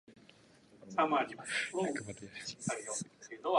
The city of Buchanan is located in the southeast portion of the township.